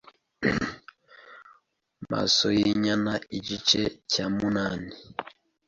Masoyinyana Igice cya munani